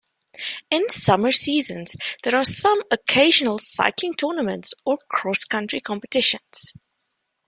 In summer seasons there are some occasional cycling tournaments or cross country competitions.